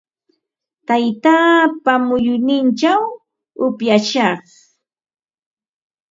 Taytaapa muyunninchaw upyashaq.